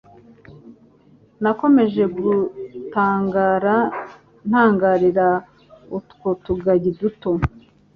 Nakomeje gutangara ntangarira utwo tugagi duto,